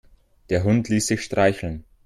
Der Hund ließ sich streicheln.